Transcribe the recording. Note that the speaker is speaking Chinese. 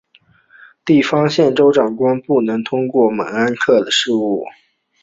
地方州县长官不能过问猛安谋克的事务。